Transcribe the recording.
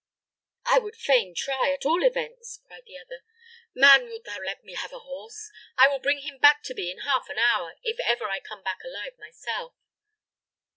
"I would fain try, at all events," cried the other. "Man, wilt thou let me have a horse? I will bring him back to thee in half an hour, if ever I come back alive myself."